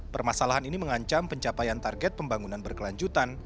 permasalahan ini mengancam pencapaian target pembangunan berkelanjutan